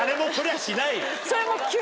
それも。